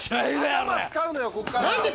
・頭使うのよこっから・